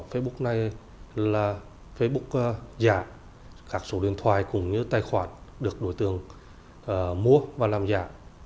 facebook này là facebook giả các số điện thoại cũng như tài khoản được đối tượng mua và làm giả